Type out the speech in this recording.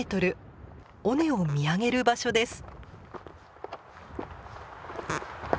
尾根を見上げる場所です。